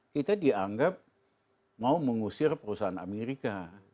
kita dianggap mau mengusir perusahaan amerika